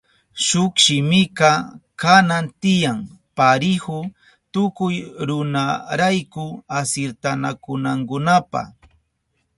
Shuk shimika kanan tiyan parihu tukuy runarayku asirtanakunankunapa.